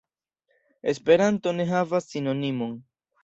Esperanto ne havas sinonimon.